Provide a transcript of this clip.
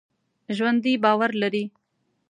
ژوندي باور لري